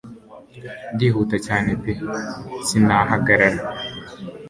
Ndihuta cyane pe sinahagarara